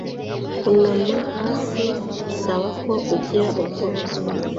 Kunama hasi bisaba ko agira ubwoba